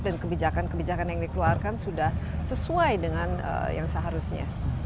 dan kebijakan kebijakan yang dikeluarkan sudah sesuai dengan yang seharusnya